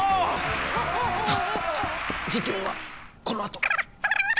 「」あっ事件はこのあと。